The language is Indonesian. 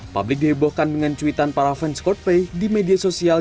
publik dihebohkan dengan cuitan para fans coldplay di media sosial